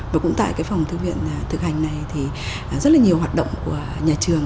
và cũng tại cái phòng thư viện thực hành này thì rất là nhiều hoạt động của nhà trường